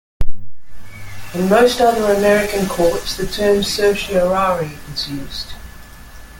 In most other American courts, the term certiorari is used.